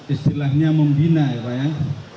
istilahnya membina ya pak ya